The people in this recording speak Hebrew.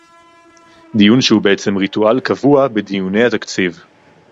דיון שהוא בעצם ריטואל קבוע בדיוני התקציב